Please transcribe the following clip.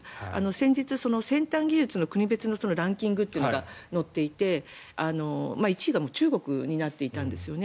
先日、先端技術の国別のランキングというのが載っていて１位が中国になっていたんですね。